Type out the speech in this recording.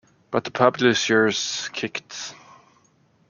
But the publishers kicked.